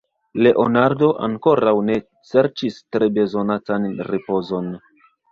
Leonardo ankoraŭ ne serĉis tre bezonatan ripozon.